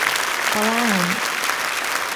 Olá Ann.